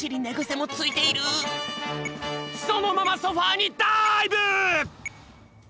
そのままソファーにダイブ！